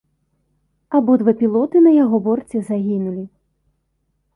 Абодва пілоты на яго борце загінулі.